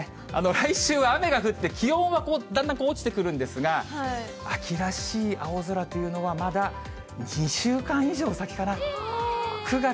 来週は雨が降って、気温はだんだん落ちてくるんですが、秋らしい青空というのは、まだ２週間以上先かな。